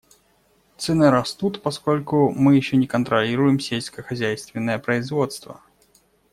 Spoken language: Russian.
Цены растут, поскольку мы еще не контролируем сельскохозяйственное производство.